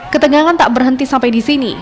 ketegangan tak berhenti sampai di sini